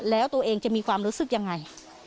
แล้วตัวเองจะมีความรู้สึกยังไง